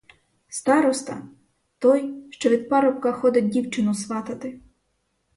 Староста — той, що від парубка ходить дівчину сватати.